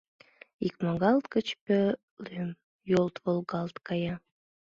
Икмагал гыч пӧлем йолт волгалт кая.